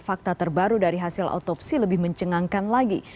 fakta terbaru dari hasil otopsi lebih mencengangkan lagi